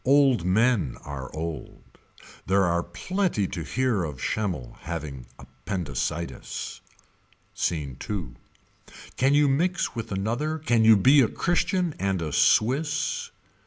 Old men are old. There are plenty to hear of Schemmel having appendicitis. Scene II. Can you mix with another Can you be a Christian and a Swiss. Mr.